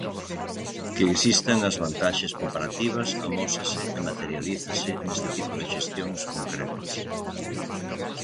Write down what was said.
Que existan as vantaxes comparativas amósase e materialízase neste tipo de xestións concretas.